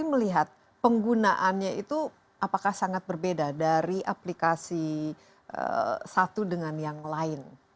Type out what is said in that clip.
saya melihat penggunaannya itu apakah sangat berbeda dari aplikasi satu dengan yang lain